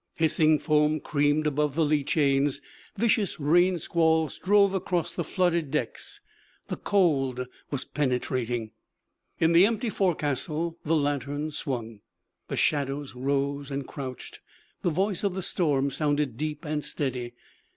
Hissing foam creamed about the lee chains; vicious rain squalls drove across the flooded decks; the cold was penetrating. In the empty forecastle the lantern swung, the shadows rose and crouched, the voice of the storm sounded deep and steady.